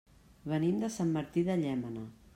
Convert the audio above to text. Venim de Sant Martí de Llémena.